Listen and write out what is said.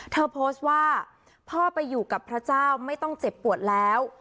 เธอโพสต์ว่าพ่อไปอยู่กับพระเจ้าไม่ต้องเจ็บปวดแล้ว